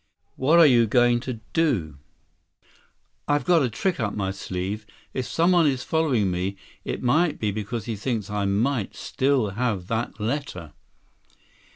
"What are you going to do?" 82 "I've got a trick up my sleeve. If someone is following me, it might be because he thinks I might still have that letter."